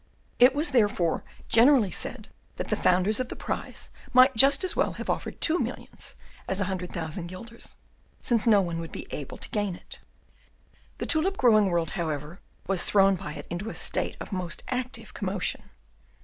It was, therefore, generally said that the founders of the prize might just as well have offered two millions as a hundred thousand guilders, since no one would be able to gain it. The tulip growing world, however, was thrown by it into a state of most active commotion.